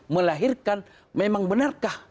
melahirkan memang benarkah